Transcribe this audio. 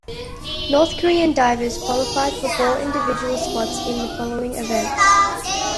North Korean divers qualified for four individual spots in the following events.